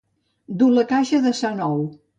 Dur la caixa de sant Ou.